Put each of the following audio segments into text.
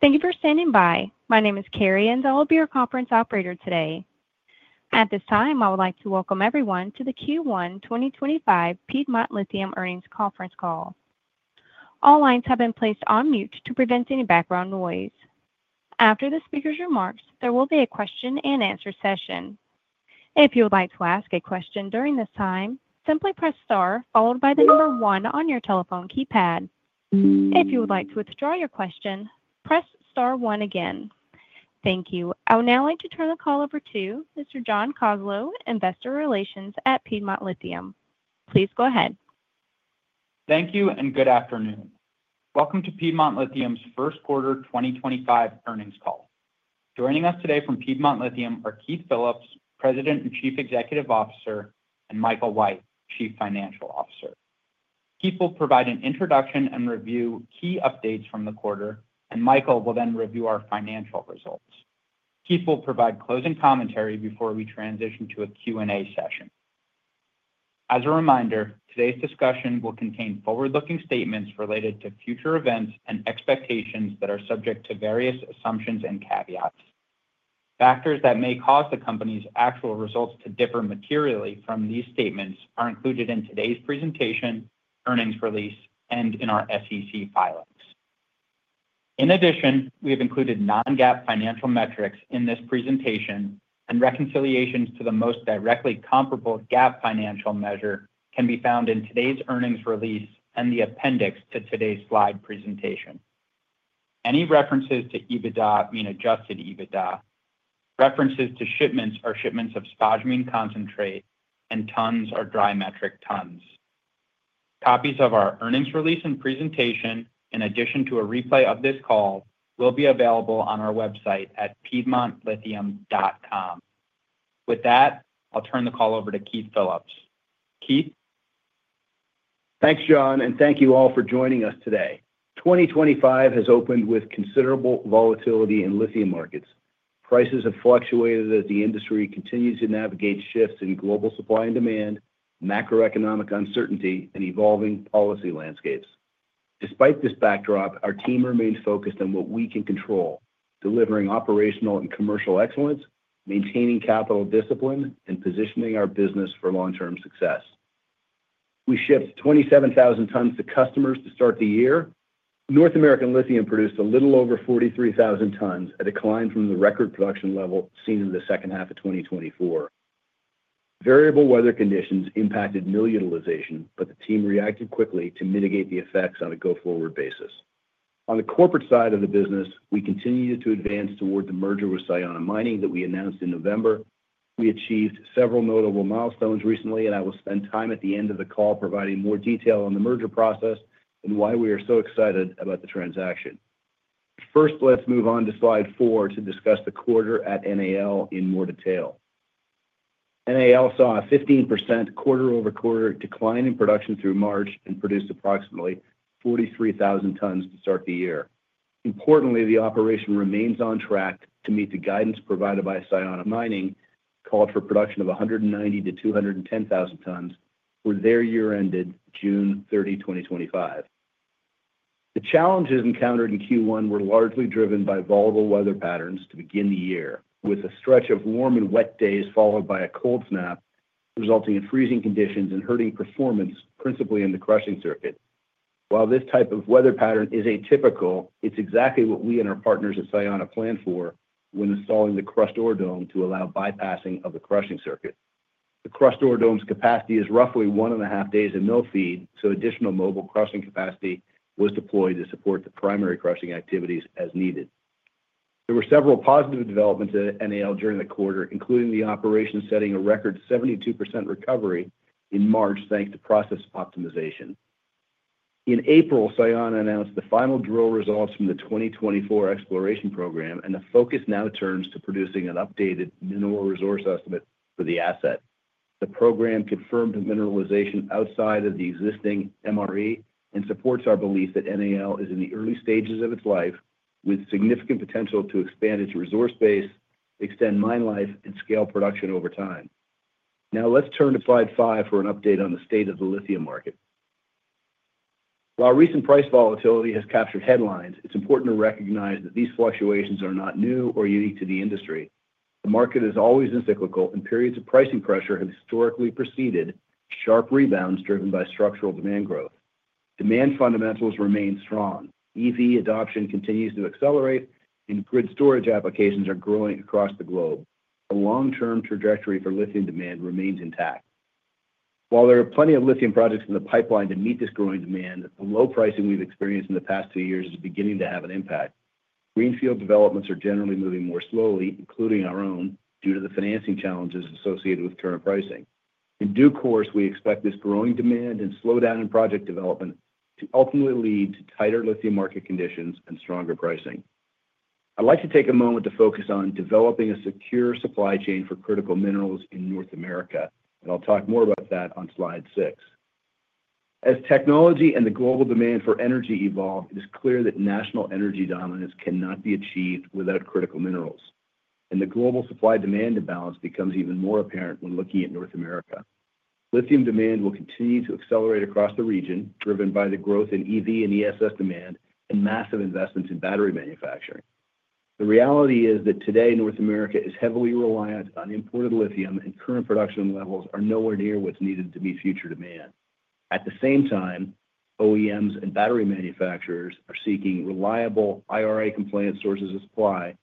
Thank you for standing by. My name is Carrie and I'll be your conference operator today. At this time, I would like to Welcome everyone to the Q1 2025 Piedmont Lithium Earnings Conference Call. All lines have been placed on mute to prevent any background noise. After the speaker's remarks, there will be a question and answer session. If you would like to ask a question during this time, simply press star followed by the number one on your telephone keypad. If you would like to withdraw your question, press star one again. Thank you. I would now like to turn the call over to Mr. John Koslow, Investor Relations at Piedmont Lithium. Please go ahead. Thank you and good afternoon. Welcome to Piedmont Lithium's First quarter 2025 earnings call. Joining us today from Piedmont Lithium are Keith Phillips, President and Chief Executive Officer, and Michael White, Chief Financial Officer. Keith will provide an introduction and review key updates from the quarter, and Michael will then review our financial results. Keith will provide closing commentary before we transition to a Q&A session. As a reminder, today's discussion will contain forward-looking statements related to future events and expectations that are subject to various assumptions and caveats. Factors that may cause the company's actual results to differ materially from these statements are included in today's presentation, earnings release, and in our SEC filings. In addition, we have included non-GAAP financial metrics in this presentation, and reconciliations to the most directly comparable GAAP financial measure can be found in today's earnings release and the appendix to today's slide presentation. Any references to EBITDA mean Adjusted EBITDA. References to shipments are shipments of spodumene concentrate and tons are dry metric tons. Copies of our earnings release and presentation, in addition to a replay of this call, will be available on our website at piedmontlithium.com. With that, I'll turn the call over to Keith Phillips. Keith? Thanks, John, and thank you all for joining us today. 2025 has opened with considerable volatility in lithium markets. Prices have fluctuated as the industry continues to navigate shifts in global supply and demand, macroeconomic uncertainty, and evolving policy landscapes. Despite this backdrop, our team remains focused on what we can control, delivering operational and commercial excellence, maintaining capital discipline, and positioning our business for long-term success. We shipped 27,000 tons to customers to start the year. North American Lithium produced a little over 43,000 tons, a decline from the record production level seen in the second half of 2024. Variable weather conditions impacted mill utilization, but the team reacted quickly to mitigate the effects on a go-forward basis. On the corporate side of the business, we continued to advance toward the merger with Sayona Mining that we announced in November. We achieved several notable milestones recently, and I will spend time at the end of the call providing more detail on the merger process and why we are so excited about the transaction. First, let's move on to slide four to discuss the quarter at NAL in more detail. NAL saw a 15% quarter-over-quarter decline in production through March and produced approximately 43,000 tons to start the year. Importantly, the operation remains on track to meet the guidance provided by Sayona Mining, called for production of 190,000-210,000 tons for their year-end date June 30, 2025. The challenges encountered in Q1 were largely driven by volatile weather patterns to begin the year, with a stretch of warm and wet days followed by a cold snap resulting in freezing conditions and hurting performance, principally in the crushing circuit. While this type of weather pattern is atypical, it's exactly what we and our partners at Sayona planned for when installing the crush door dome to allow bypassing of the crushing circuit. The crush door dome's capacity is roughly one and a half days of mill feed, so additional mobile crushing capacity was deployed to support the primary crushing activities as needed. There were several positive developments at NAL during the quarter, including the operation setting a record 72% recovery in March thanks to process optimization. In April, Sayona announced the final drill results from the 2024 exploration program, and the focus now turns to producing an updated mineral resource estimate for the asset. The program confirmed mineralization outside of the existing MRE and supports our belief that NAL is in the early stages of its life, with significant potential to expand its resource base, extend mine life, and scale production over time. Now let's turn to slide five for an update on the state of the lithium market. While recent price volatility has captured headlines, it's important to recognize that these fluctuations are not new or unique to the industry. The market is always cyclical, and periods of pricing pressure have historically preceded sharp rebounds driven by structural demand growth. Demand fundamentals remain strong. EV adoption continues to accelerate, and grid storage applications are growing across the globe. The long-term trajectory for lithium demand remains intact. While there are plenty of lithium projects in the pipeline to meet this growing demand, the low pricing we've experienced in the past two years is beginning to have an impact. Greenfield developments are generally moving more slowly, including our own, due to the financing challenges associated with current pricing. In due course, we expect this growing demand and slowdown in project development to ultimately lead to tighter lithium market conditions and stronger pricing. I'd like to take a moment to focus on developing a secure supply chain for critical minerals in North America, and I'll talk more about that on slide six. As technology and the global demand for energy evolve, it is clear that national energy dominance cannot be achieved without critical minerals, and the global supply-demand imbalance becomes even more apparent when looking at North America. Lithium demand will continue to accelerate across the region, driven by the growth in EV and ESS demand and massive investments in battery manufacturing. The reality is that today, North America is heavily reliant on imported lithium, and current production levels are nowhere near what is needed to meet future demand. At the same time, OEMs and battery manufacturers are seeking reliable IRA-compliant sources of supply,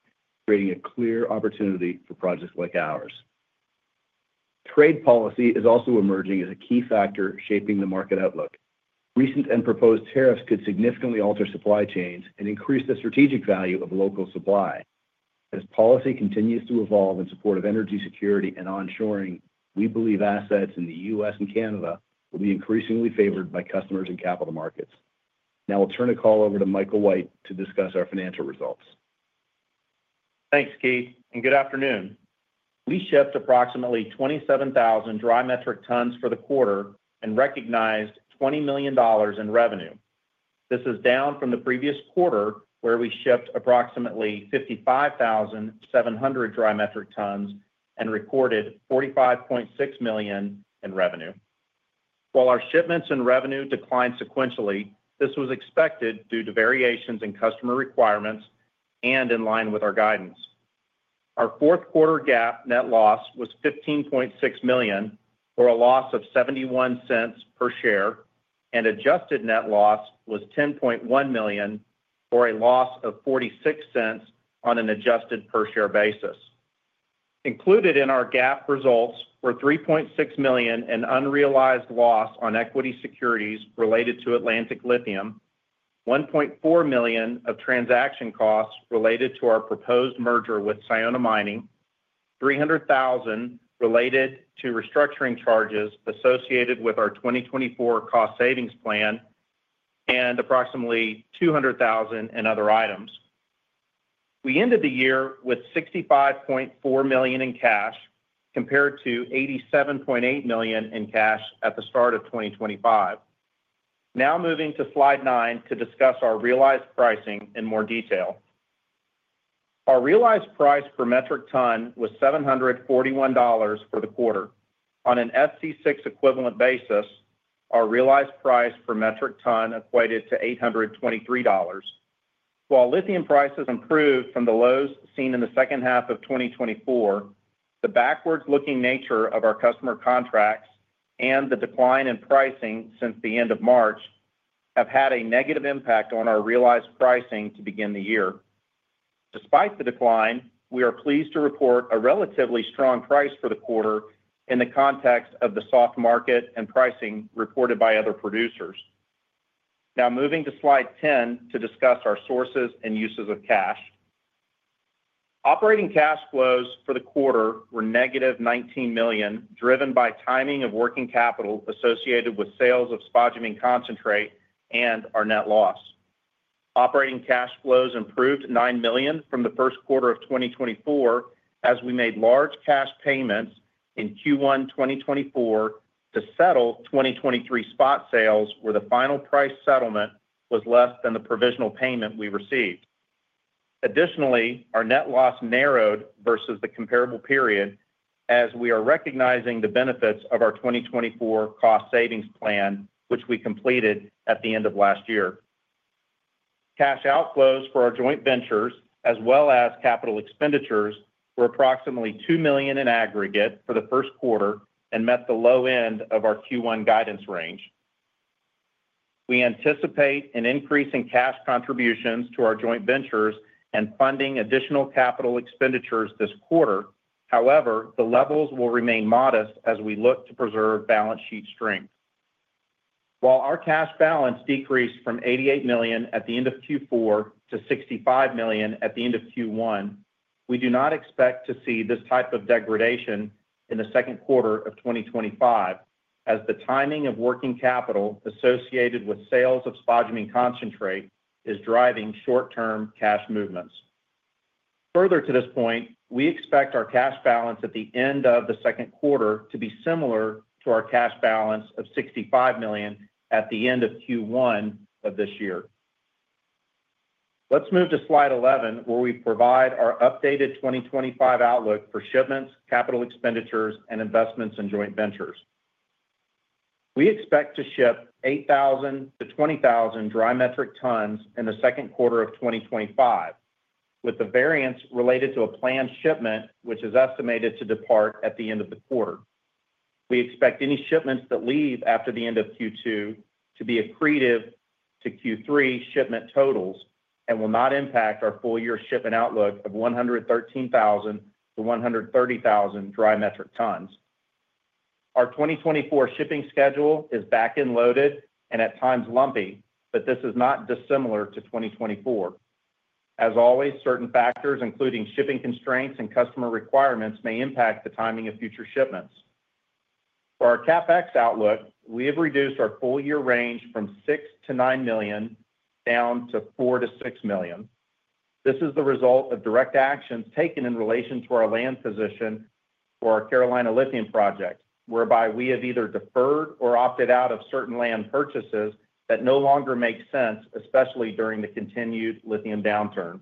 creating a clear opportunity for projects like ours. Trade policy is also emerging as a key factor shaping the market outlook. Recent and proposed tariffs could significantly alter supply chains and increase the strategic value of local supply. As policy continues to evolve in support of energy security and onshoring, we believe assets in the U.S. and Canada will be increasingly favored by customers and capital markets. Now I'll turn the call over to Michael White to discuss our financial results. Thanks, Keith, and good afternoon. We shipped approximately 27,000 dry metric tons for the quarter and recognized $20 million in revenue. This is down from the previous quarter, where we shipped approximately 55,700 dry metric tons and recorded $45.6 million in revenue. While our shipments and revenue declined sequentially, this was expected due to variations in customer requirements and in line with our guidance. Our fourth quarter GAAP net loss was $15.6 million, or a loss of $0.71 per share, and adjusted net loss was $10.1 million, or a loss of $0.46 on an adjusted per share basis. Included in our GAAP results were $3.6 million in unrealized loss on equity securities related to Atlantic Lithium, $1.4 million of transaction costs related to our proposed merger with Sayona Mining, $300,000 related to restructuring charges associated with our 2024 cost savings plan, and approximately $200,000 in other items. We ended the year with $65.4 million in cash, compared to $87.8 million in cash at the start of 2025. Now moving to slide nine to discuss our realized pricing in more detail. Our realized price per metric ton was $741 for the quarter. On an SC6 equivalent basis, our realized price per metric ton equated to $823. While lithium prices improved from the lows seen in the second half of 2024, the backwards-looking nature of our customer contracts and the decline in pricing since the end of March have had a negative impact on our realized pricing to begin the year. Despite the decline, we are pleased to report a relatively strong price for the quarter in the context of the soft market and pricing reported by other producers. Now moving to slide 10 to discuss our sources and uses of cash. Operating cash flows for the quarter were negative $19 million, driven by timing of working capital associated with sales of spodumene concentrate and our Net loss. Operating cash flows improved $9 million from the first quarter of 2024 as we made large cash payments in Q1 2024 to settle 2023 spot sales, where the final price settlement was less than the provisional payment we received. Additionally, our net loss narrowed versus the comparable period as we are recognizing the benefits of our 2024 cost savings plan, which we completed at the end of last year. Cash outflows for our joint ventures, as well as capital expenditures, were approximately $2 million in aggregate for the first quarter and met the low end of our Q1 guidance range. We anticipate an increase in cash contributions to our joint ventures and funding additional capital expenditures this quarter. However, the levels will remain modest as we look to preserve Balance sheet strength. While our cash balance decreased from $88 million at the end of Q4 to $65 million at the end of Q1, we do not expect to see this type of degradation in the second quarter of 2025, as the timing of working capital associated with sales of spodumene concentrate is driving short-term cash movements. Further to this point, we expect our cash balance at the end of the second quarter to be similar to our cash balance of $65 million at the end of Q1 of this year. Let's move to slide 11, where we provide our updated 2025 outlook for shipments, capital expenditures, and investments in joint ventures. We expect to ship 8,000-20,000 dry metric tons in the second quarter of 2025, with the variance related to a planned shipment, which is estimated to depart at the end of the quarter. We expect any shipments that leave after the end of Q2 to be accretive to Q3 shipment totals and will not impact our full-year shipment outlook of 113,000-130,000 dry metric tons. Our 2024 shipping schedule is back and loaded and at times lumpy, but this is not dissimilar to 2024. As always, certain factors, including shipping constraints and customer requirements, may impact the timing of future shipments. For our CapEx outlook, we have reduced our full-year range from $6 million-$9 million down to $4 million-$6 million. This is the result of direct actions taken in relation to our land position for our Carolina Lithium project, whereby we have either deferred or opted out of certain land purchases that no longer make sense, especially during the continued lithium downturn.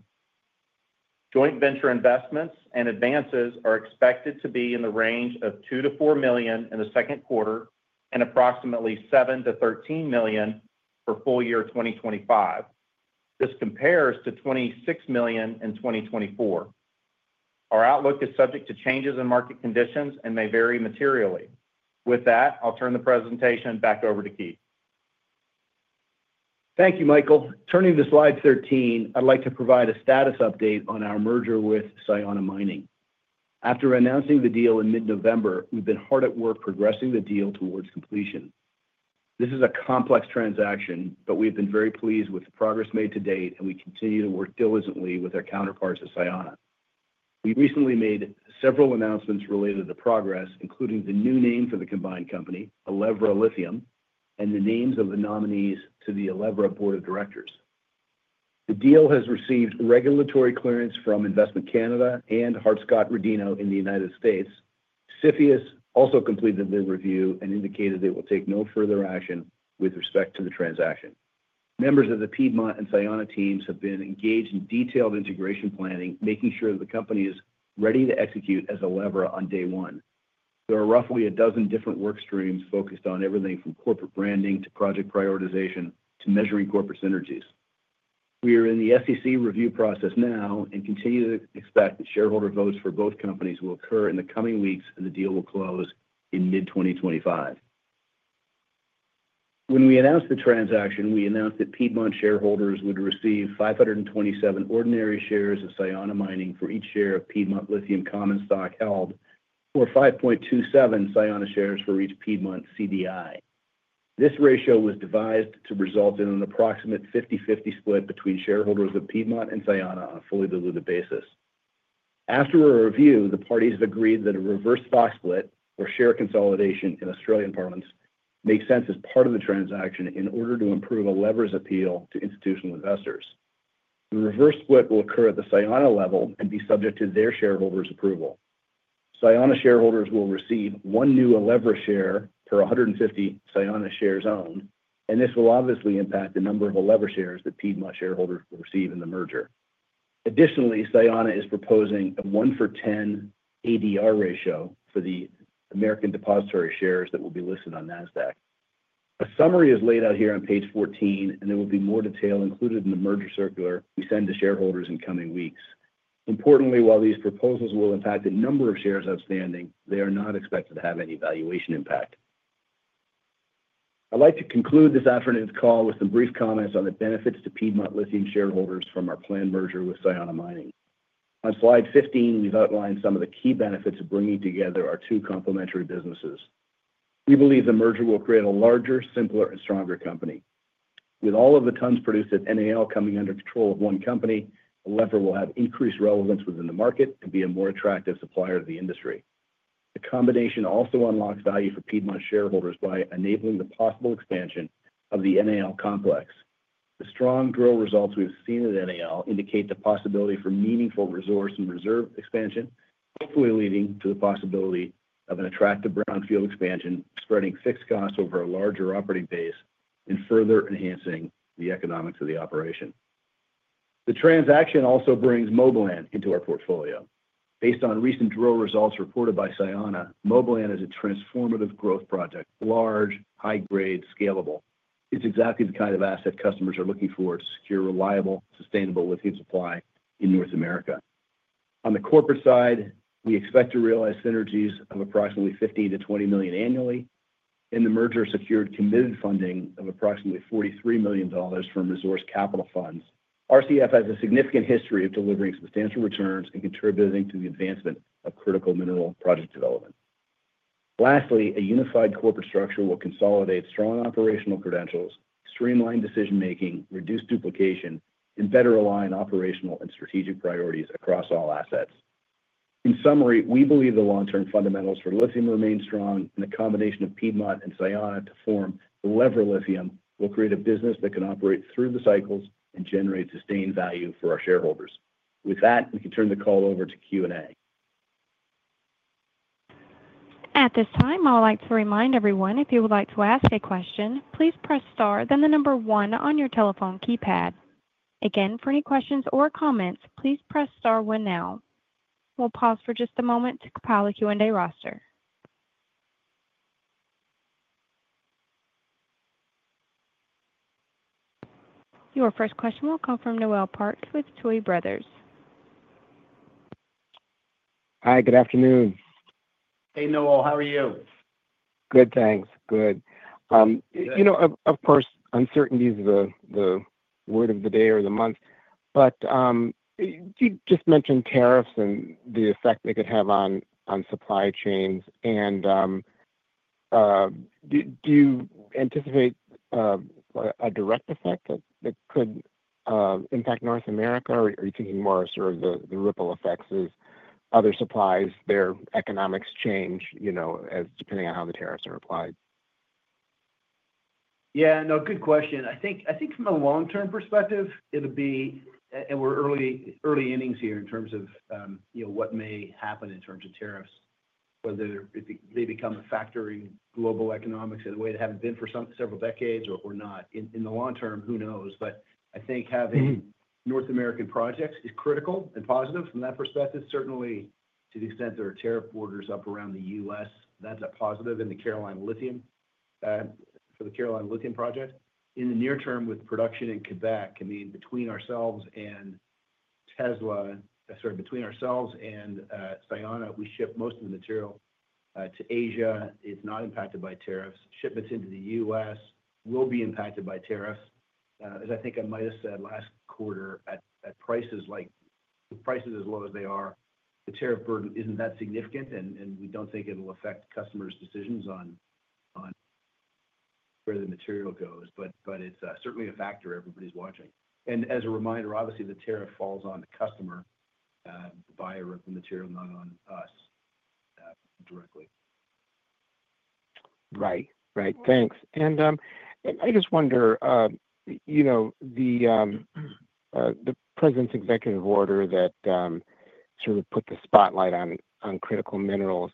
Joint venture investments and advances are expected to be in the range of $2-$4 million in the second quarter and approximately $7-13 million for full-year 2025. This compares to $26 million in 2024. Our outlook is subject to changes in market conditions and may vary materially. With that, I'll turn the presentation back over to Keith. Thank you, Michael. Turning to slide 13, I'd like to provide a status update on our merger with Sayona Mining. After announcing the deal in mid-November, we've been hard at work progressing the deal towards completion. This is a complex transaction, but we have been very pleased with the progress made to date, and we continue to work diligently with our counterparts at Sayona. We recently made several announcements related to the progress, including the new name for the combined company, Elevra Lithium, and the names of the nominees to the Elevra Board of Directors. The deal has received regulatory clearance from Investment Canada and Hart-Scott-Rodino in the United States. CFIUS also completed the review and indicated they will take no further action with respect to the transaction. Members of the Piedmont and Sayona teams have been engaged in detailed integration planning, making sure that the company is ready to execute as Elevra on day one. There are roughly a dozen different work streams focused on everything from corporate branding to project prioritization to measuring corporate synergies. We are in the SEC review process now and continue to expect that shareholder votes for both companies will occur in the coming weeks, and the deal will close in mid-2025. When we announced the transaction, we announced that Piedmont shareholders would receive 5.27 ordinary shares of Sayona Mining for each share of Piedmont Lithium Common Stock held, or 5.27 Sayona shares for each Piedmont CDI. This ratio was devised to result in an approximate 50/50 split between shareholders of Piedmont and Sayona on a fully diluted basis. After a review, the parties have agreed that a reverse stock split, or share consolidation in Australian parlance, makes sense as part of the transaction in order to improve Elevra's appeal to institutional investors. The reverse split will occur at the Sayona level and be subject to their shareholders' approval. Sayona shareholders will receive one new Elevra share per 150 Sayona shares owned, and this will obviously impact the number of Elevra shares that Piedmont shareholders will receive in the merger. Additionally, Sayona is proposing a 1 for 10 ADR ratio for the American depository shares that will be listed on NASDAQ. A summary is laid out here on page 14, and there will be more detail included in the merger circular we send to shareholders in coming weeks. Importantly, while these proposals will impact the number of shares outstanding, they are not expected to have any valuation impact. I'd like to conclude this afternoon's call with some brief comments on the benefits to Piedmont Lithium shareholders from our planned merger with Sayona Mining. On slide 15, we've outlined some of the key benefits of bringing together our two complementary businesses. We believe the merger will create a larger, simpler, and stronger company. With all of the tons produced at North American Lithium coming under control of one company, Elevra Lithium will have increased relevance within the market and be a more attractive supplier to the industry. The combination also unlocks value for Piedmont shareholders by enabling the possible expansion of the North American Lithium complex. The strong growth results we've seen at North American Lithium indicate the possibility for meaningful resource and reserve expansion, hopefully leading to the possibility of an attractive brownfield expansion, spreading fixed costs over a larger operating base and further enhancing the economics of the operation. The transaction also brings Moblan into our portfolio. Based on recent growth results reported by Sayona, Moblan is a transformative growth project, large, high-grade, scalable. It's exactly the kind of asset customers are looking for to secure reliable, sustainable lithium supply in North America. On the corporate side, we expect to realize synergies of approximately $15 million-$20 million annually, and the merger secured committed funding of approximately $43 million from Resource Capital Funds. RCF has a significant history of delivering substantial returns and contributing to the advancement of critical mineral project development. Lastly, a unified corporate structure will consolidate strong operational credentials, streamline decision-making, reduce duplication, and better align operational and strategic priorities across all assets. In summary, we believe the long-term fundamentals for lithium remain strong, and the combination of Piedmont and Sayona to form Elevra Lithium will create a business that can operate through the cycles and generate sustained value for our shareholders. With that, we can turn the call over to Q&A. At this time, I would like to remind everyone, if you would like to ask a question, please press star, then the number one on your telephone keypad. Again, for any questions or comments, please press star one now. We'll pause for just a moment to compile a Q&A roster. Your first question will come from Noel Parks with Tuohy Brothers. Hi, good afternoon. Hey, Noel, how are you? Good, thanks. Good. Of course, uncertainty is the word of the day or the month, but you just mentioned tariffs and the effect they could have on supply chains. Do you anticipate a direct effect that could impact North America, or are you thinking more of sort of the ripple effects as other supplies, their economics change, depending on how the tariffs are applied? Yeah, no, good question. I think from a long-term perspective, it'll be, and we're early innings here in terms of what may happen in terms of tariffs, whether they become a factor in global economics in a way they haven't been for several decades or not. In the long term, who knows? I think having North American projects is critical and positive from that perspective. Certainly, to the extent there are tariff borders up around the U.S., that's a positive. The Carolina Lithium for the Carolina Lithium project, in the near term with production in Quebec, I mean, between ourselves and Tesla, sorry, between ourselves and Sayona, we ship most of the material to Asia. It's not impacted by tariffs. Shipments into the U.S. will be impacted by tariffs. As I think I might have said last quarter, at prices as low as they are, the tariff burden is not that significant, and we do not think it will affect customers' decisions on where the material goes. It is certainly a factor everybody is watching. As a reminder, obviously, the tariff falls on the customer, the buyer of the material, not on us directly. Right, right. Thanks. I just wonder, the president's executive order that sort of put the spotlight on critical minerals,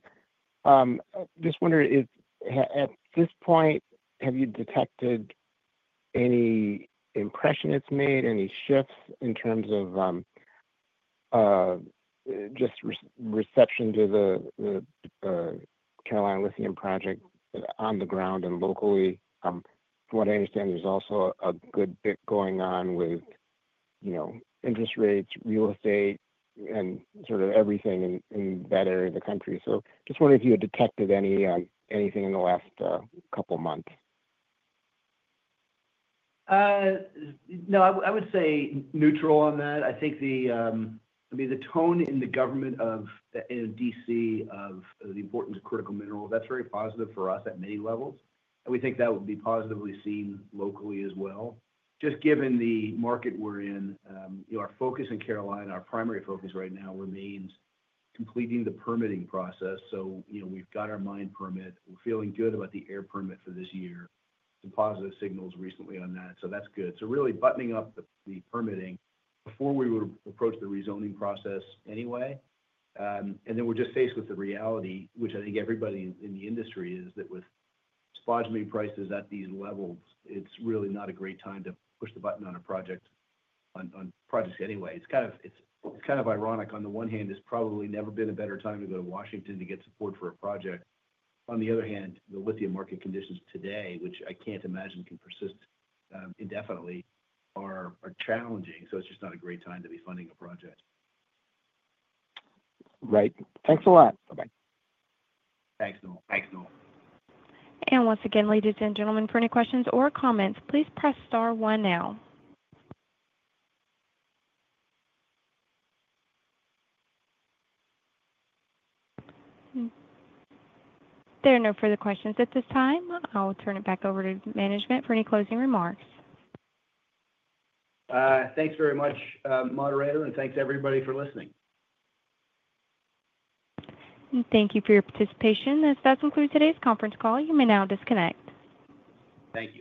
just wonder if at this point, have you detected any impression it's made, any shifts in terms of just reception to the Carolina Lithium project on the ground and locally? From what I understand, there's also a good bit going on with interest rates, real estate, and sort of everything in that area of the country. Just wondering if you had detected anything in the last couple of months. No, I would say neutral on that. I think the tone in the government of DC of the importance of critical minerals, that's very positive for us at many levels. We think that would be positively seen locally as well. Just given the market we're in, our focus in Carolina, our primary focus right now remains completing the permitting process. We've got our mine permit. We're feeling good about the air permit for this year. Some positive signals recently on that. That's good. Really buttoning up the permitting before we would approach the rezoning process anyway. We're just faced with the reality, which I think everybody in the industry is, that with spodumene prices at these levels, it's really not a great time to push the button on a project anyway. It's kind of ironic. On the one hand, it's probably never been a better time to go to Washington DC to get support for a project. On the other hand, the lithium market conditions today, which I can't imagine can persist indefinitely, are challenging. It is just not a great time to be funding a project. Right. Thanks a lot. Bye-bye. Thanks, Noel. Once again, ladies and gentlemen, for any questions or comments, please press star one now. There are no further questions at this time. I'll turn it back over to management for any closing remarks. Thanks very much, moderator, and thanks everybody for listening. Thank you for your participation. This does conclude today's conference call. You may now disconnect. Thank you.